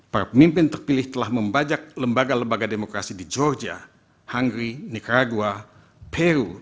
para pemimpin terpilih telah membajak lembaga lembaga demokrasi di georgia hangri nicaragua peru